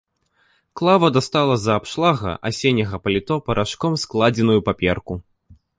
Клава дастала з-за абшлага асенняга паліто парашком складзеную паперку.